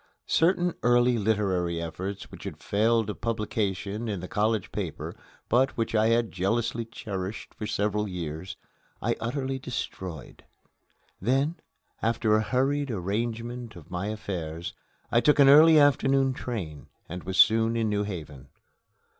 Certain early literary efforts which had failed of publication in the college paper, but which I had jealously cherished for several years, I utterly destroyed. Then, after a hurried arrangement of my affairs, I took an early afternoon train, and was soon in New Haven.